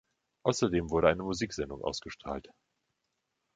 Außerdem wurde eine Musiksendung ausgestrahlt.